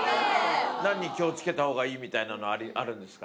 何に気をつけたほうがいいみたいのあるんですか？